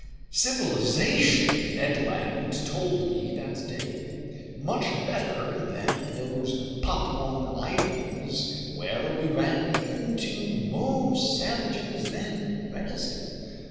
"Civilization!" Ned Land told me that day. "Much better than those Papuan Islands where we ran into more savages than venison!